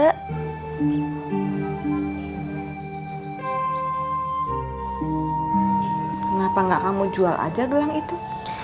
kenapa gak kamu jual aja gelang itu